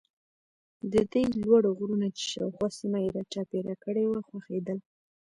د ده یې لوړ غرونه چې شاوخوا سیمه یې را چاپېره کړې وه خوښېدل.